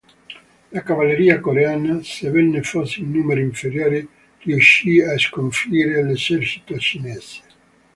La cavalleria coreana, sebbene fosse in numero inferiore, riuscì a sconfiggere l'esercito cinese.